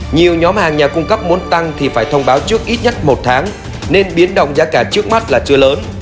nhiều nhóm hàng nhà cung cấp muốn tăng thì phải thông báo trước ít nhất một tháng nên biến động giá cả trước mắt là chưa lớn